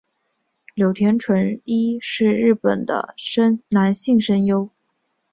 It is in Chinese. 柳田淳一是日本的男性声优。